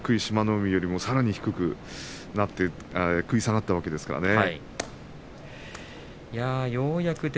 海よりもさらに低くなって食い下がったわけですからね。